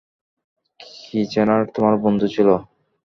Kitchener তোমার বন্ধু ছিল!